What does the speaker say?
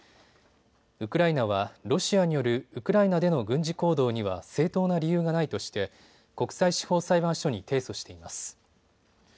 ウクライナはロシアによるウクライナでの軍事行動には正当な理由がないとして国際司法裁判所に提訴しています。